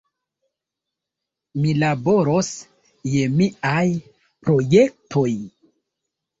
Mi laboros je miaj projektoj.